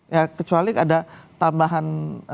ya kecuali ada tambahan